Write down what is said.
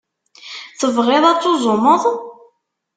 Tebɣiḍ ad tuẓumeḍ?